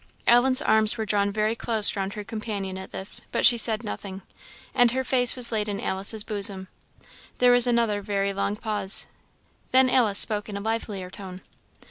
Ellen's arms were drawn very close round her companion at this, but she said nothing, and her face was laid in Alice's bosom. There was another very long pause. Then Alice spoke in a livelier tone.